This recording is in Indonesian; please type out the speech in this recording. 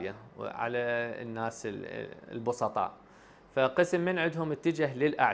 jadi sebagian dari mereka menuju ke peralatan herbal